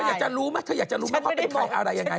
เธออยากจะรู้มั้ยเธออยากจะรู้มั้ยพ่อเป็นใครอะไรยังไง